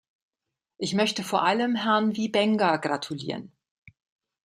Ich möchte vor allem Herrn Wiebenga gratulieren.